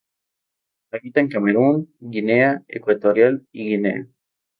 Habita en Camerún, Guinea Ecuatorial y Guinea.